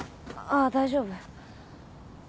ああ大丈夫。